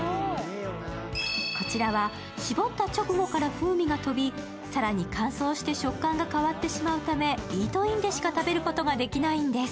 こちらは絞った直後から風味が飛び、更に感想して食感が変わってしまうためイートインでしか食べることができないんです。